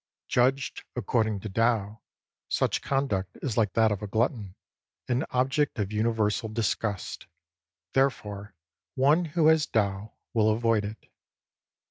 Judged according to Tao, such conduct is like that of a glutton — an object of universal disgust. Therefore one who has Tao will avoid it.